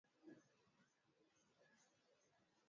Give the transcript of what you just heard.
Ma ndizi, na ma avocat iko beyi sana mu mvula